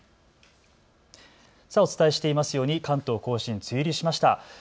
お伝えしていますように関東甲信、梅雨入りしました。